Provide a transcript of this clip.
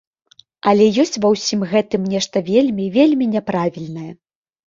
Але ёсць ва ўсім гэтым нешта вельмі, вельмі няправільнае.